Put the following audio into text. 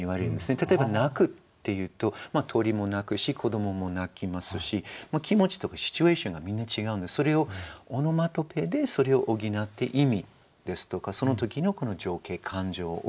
例えば「なく」っていうと鳥も鳴くし子どもも泣きますし気持ちとかシチュエーションがみんな違うんでオノマトペでそれを補って意味ですとかその時の情景感情を表すことが多いですね。